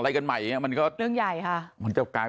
อะไรกันใหม่เรื่องใหญ่ค่ะ